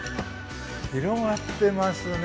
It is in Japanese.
広がってますね。